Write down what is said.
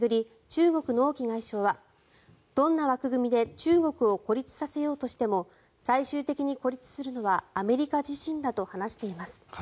中国の王毅外相はどんな枠組みで中国を孤立させようとしても最終的に孤立するのはアメリカ自身だと話しています。